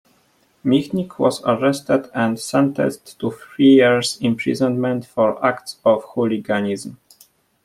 Michnik was arrested and sentenced to three years imprisonment for "acts of hooliganism".